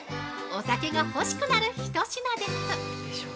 お酒が欲しくなる１品です！